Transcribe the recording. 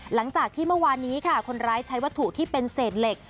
หลังจากที่เมื่อวานนี้ค่ะคนร้ายใช้วัตถุที่เป็นเศษเหล็ก